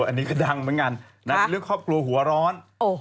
อันนี้เรียนดันอย่างกันหรือคอบครัวหัวร้อน